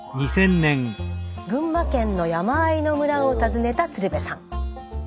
群馬県の山あいの村を訪ねた鶴瓶さん。